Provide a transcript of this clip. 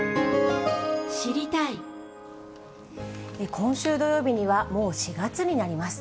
今週土曜日には、もう４月になります。